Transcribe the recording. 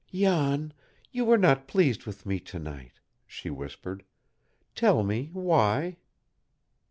"Jan, you were not pleased with me to night," she whispered. "Tell me, why?"